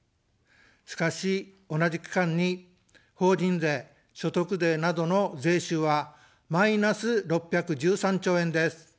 しかし、同じ期間に法人税、所得税などの税収はマイナス６１３兆円です。